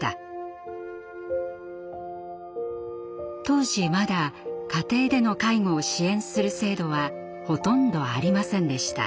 当時まだ家庭での介護を支援する制度はほとんどありませんでした。